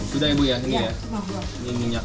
sudah ya bu ya